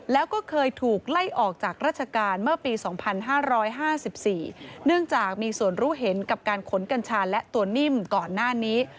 แล้วก็เคยถูกไล่ออกจากราชการเมื่อปี๒๕๕๔เนื่องจากมีส่วนรู้เห็นกับการขนกัญชาและตัวนิ่มก่อนหน้านี้